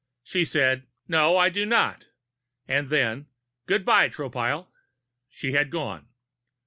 She said: "No, I do not." And then, "Good by, Tropile." She had gone.